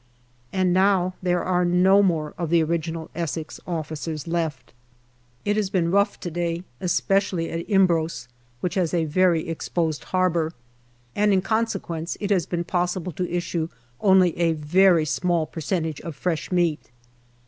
And now there are no more of the original Essex officers left. It has been rough to day, especially at Imbros, which has a very exposed harbour, and in consequence it has been possible to issue only a very small percentage of fresh meat.